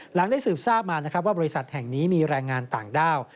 หลังได้สืบทราบมานะครับว่าบริษัทแห่งนี้มีแรงงานต่างด้าว